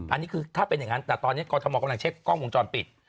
อันนี้คือถ้าเป็นอย่างนั้นแต่ตอนนี้กรทมกำลังเช็คกล้องวงจรปิด